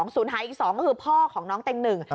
ศูนย์หายอีก๒ก็คือพ่อของน้องเต็งหนึ่ง